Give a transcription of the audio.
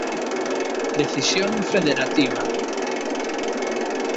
Decisión federativa.